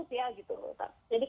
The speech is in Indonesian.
jadi kayak ya saya tahu sih